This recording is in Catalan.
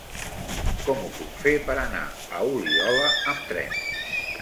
Com ho puc fer per anar a Oliola amb tren?